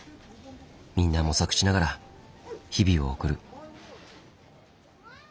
みんな模索しながら日々を送る。